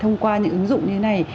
thông qua những ứng dụng như thế này